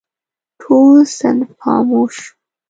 ټول صنف خاموش شو.